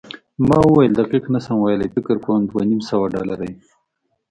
ما وویل، دقیق نه شم ویلای، فکر کوم دوه نیم سوه ډالره وي.